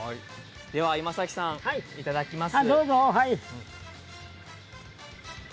では今崎さん、いただきます。